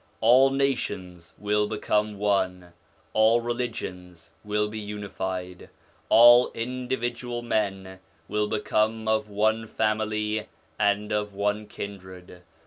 All nations will become one, all religions will be unified, all individual men will become of one family and of one kindred.